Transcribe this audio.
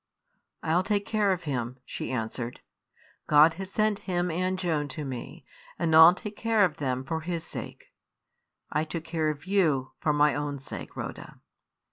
"I'll take care of him," she answered; "God has sent him and Joan to me, and I'll take care of them for His sake. I took care of you for my own sake, Rhoda."